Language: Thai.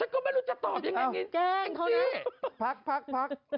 พ่อแม่ฉันก็เป็นมนุษย์แล้ว